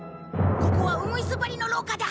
ここはうぐいす張りの廊下だ。